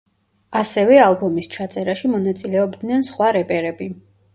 ასევე ალბომის ჩაწერაში მონაწილეობდნენ სხვა რეპერები.